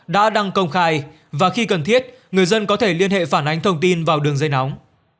đã đăng công khai và khi cần thiết người dân có thể liên hệ phản ánh thông tin vào đường dây nóng